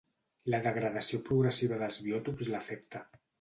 La degradació progressiva dels biòtops l'afecta.